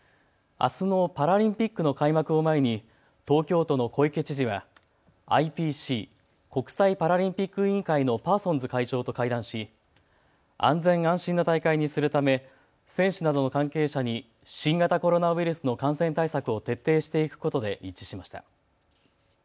あすのパラリンピックの開幕を前に東京都の小池知事はＩＰＣ・国際パラリンピック委員会のパーソンズ会長と会談し安全、安心な大会にするため選手などの関係者に新型コロナウイルスの感染対策を徹底していくことで一致しました。